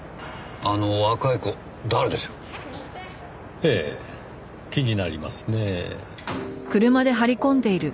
ええ気になりますねぇ。